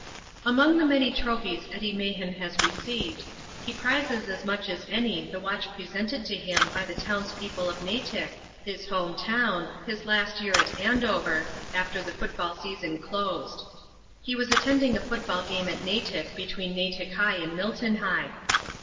Among the many trophies Eddie Mahan has received, he prizes as much as any the watch presented to him by the townspeople of Natick, his home town, his last year at Andover, after the football season closed. He was attending a football game at Natick between Natick High and Milton High.